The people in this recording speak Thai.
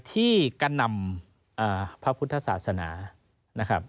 ที่กระนำพระพุทธศาสนานะครับ